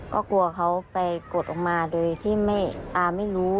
ก็กลัวเขาไปกดออกมาโดยที่ไม่รู้